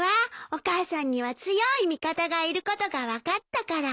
お母さんには強い味方がいることが分かったから。